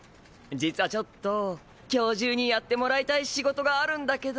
実はちょっと今日中にやってもらいたい仕事があるんだけど。